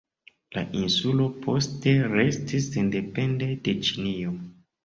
La insulo poste restis sendepende de Ĉinio.